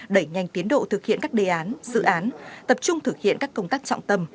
đẩy nhanh tiến độ thực hiện các đề án dự án tập trung thực hiện các công tác trọng tâm